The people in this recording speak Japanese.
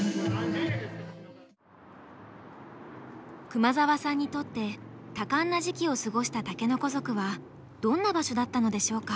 熊澤さんにとって多感な時期を過ごした竹の子族はどんな場所だったのでしょうか。